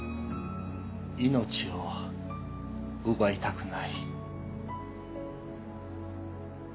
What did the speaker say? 命を奪いたくない。